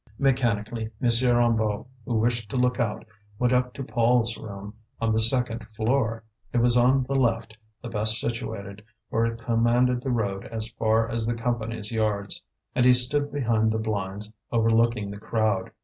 Mechanically, M. Hennebeau, who wished to look out, went up to Paul's room on the second floor: it was on the left, the best situated, for it commanded the road as far as the Company's Yards. And he stood behind the blinds overlooking the crowd.